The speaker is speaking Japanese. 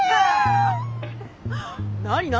何何？